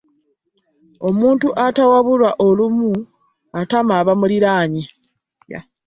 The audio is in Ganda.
Omuntu atawabulwa olumu atama abamuliraanye.